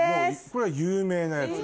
これは有名なやつ。